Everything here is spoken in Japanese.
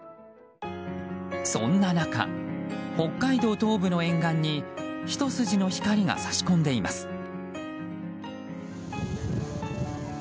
そんな中、北海道東部の沿岸にひと筋の光が差し込んでいます。